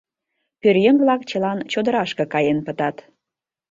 Пӧръеҥ-влак чылан чодырашке каен пытат.